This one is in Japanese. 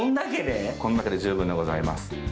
これだけで十分でございます。